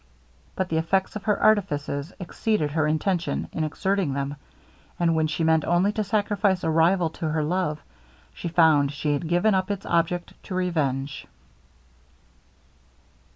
But the effects of her artifices exceeded her intention in exerting them; and when she meant only to sacrifice a rival to her love, she found she had given up its object to revenge.